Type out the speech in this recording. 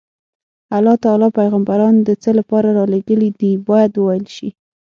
الله تعالی پیغمبران د څه لپاره رالېږلي دي باید وویل شي.